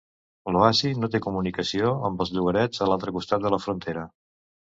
L'oasi no té comunicació amb els llogarets a l'altre costat de la frontera.